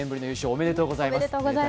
おめでとうございます。